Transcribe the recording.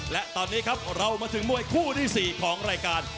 และตอนนี้ครับเรามาถึงมวยคู่ที่๔ของรายการ